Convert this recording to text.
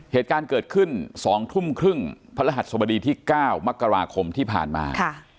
เหตุการณ์เกิดขึ้น๒ทุ่มครึ่งพระรหัสสบดีที่๙มกราคมที่ผ่านมา